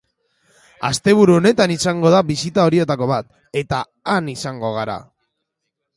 Asteburu honetan izango da bisita horietako bat eta han izango gara.